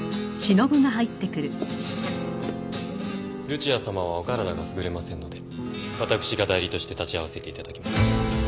ルチアさまはお体が優れませんので私が代理として立ち会わせていただきます。